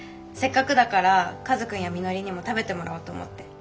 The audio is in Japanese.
せっかくだからカズくんやみのりにも食べてもらおうと思って。